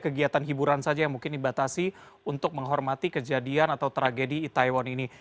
kegiatan hiburan saja yang mungkin dibatasi untuk menghormati kejadian atau tragedi itaewon ini